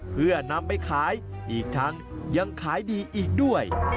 เพื่อนำไปขายอีกทั้งยังขายดีอีกด้วย